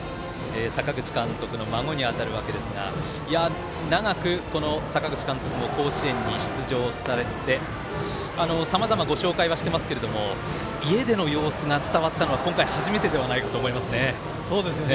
阪口監督の孫に当たるわけですが長く阪口監督も甲子園に出場されてさまざまご紹介はしてますが家での様子が伝わったのが今回が初めてではないかと思いますが。